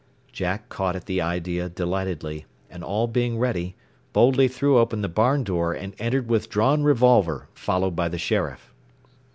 Jack caught at the idea delightedly, and all being ready, boldly threw open the barn door and entered with drawn revolver, followed by the sheriff.